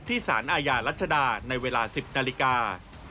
สารอาญารัชดาในเวลา๑๐นาฬิกา